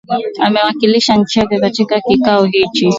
ameiwakilisha nchi yake katika kikao hicho